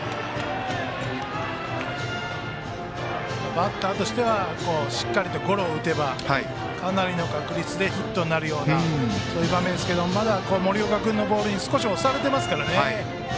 バッターとしてはしっかりゴロを打てばかなりの確率でヒットになるそういう場面ですがまだ森岡君のボールに少し押されていますからね。